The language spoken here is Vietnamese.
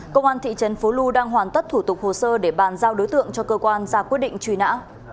công an thị trấn phố lu đang hoàn tất thủ tục hồ sơ để bàn giao đối tượng cho cơ quan ra quyết định truy nã